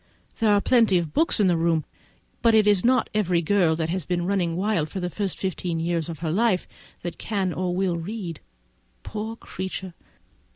There are plenty of books, but it is not every girl who has been running wild the first fifteen years of her life, that can or will read. Poor creature!